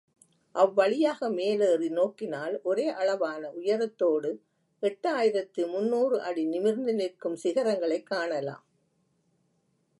அவ்வழியாக மேலேறி நோக்கினால் ஒரே அளவான உயரத்தோடு எட்டு ஆயிரத்து முன்னூறு அடி நிமிர்ந்து நிற்கும் சிகரங்களைக் காணலாம்.